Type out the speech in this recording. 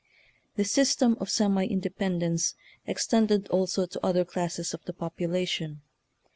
This system of semi independence ex tended also to other classes of the popula tion.